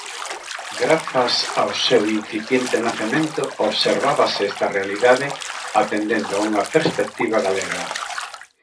Grazas ao seu incipiente nacemento, observábase esta realidade atendendo a unha perspectiva galega.